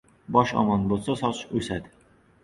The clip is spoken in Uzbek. • Bosh omon bo‘lsa, soch o‘sadi.